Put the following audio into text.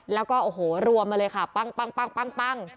แล้วก็โอ้โหรวมมาเลยค่ะปั้ง